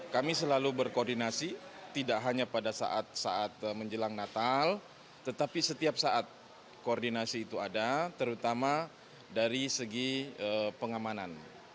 kami selalu berkoordinasi tidak hanya pada saat saat menjelang natal tetapi setiap saat koordinasi itu ada terutama dari segi pengamanan